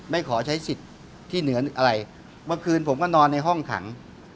ไม่ขอใช้สิทธิ์ที่เหนืออะไรเมื่อคืนผมก็นอนในห้องขัง